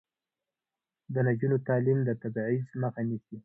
د نجونو تعلیم د تبعیض مخه نیسي.